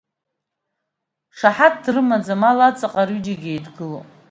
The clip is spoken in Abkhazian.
Шаҳаҭ дрымаӡам, ал аҵаҟа рҩыџьагьы еидгылоуп.